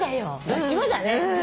どっちもだね！